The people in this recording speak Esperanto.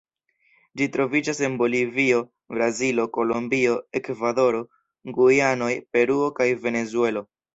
Ĝi troviĝas en Bolivio, Brazilo, Kolombio, Ekvadoro, Gujanoj, Peruo kaj Venezuelo.